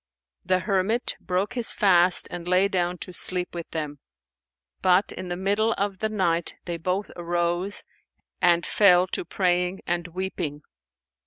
The hermit broke his fast and lay down to sleep with them; but in the middle of the night they both arose and fell to praying and weeping.